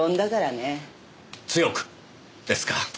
強く！ですか。